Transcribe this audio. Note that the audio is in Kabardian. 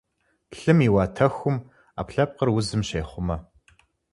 Лъым и уатэхум Ӏэпкълъэпкъыр узым щехъумэ.